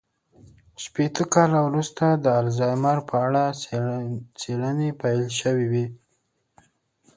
شپېته کاله وروسته د الزایمر په اړه څېړنې پيل شوې وې.